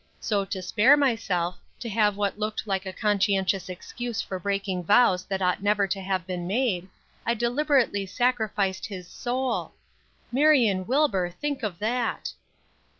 So to spare myself, to have what looked like a conscientious excuse for breaking vows that ought never to have been made, I deliberately sacrificed his soul! Marion Wilbur, think of that!"